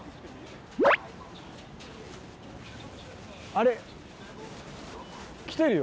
あれ来てるよ。